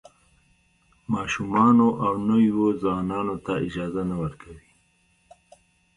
ماشومانو او نویو ځوانانو ته اجازه نه ورکوي.